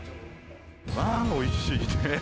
まあ、おいしい。